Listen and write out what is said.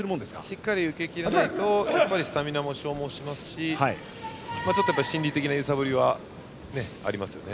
しっかり受け切れないとやっぱりスタミナも消耗しますしちょっと心理的な揺さぶりはありますよね。